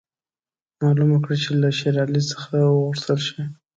معلومه کړي چې که له شېر علي څخه وغوښتل شي.